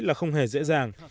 là không hề dễ dàng